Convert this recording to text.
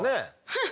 フッ！